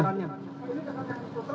ini terkait dengan protokol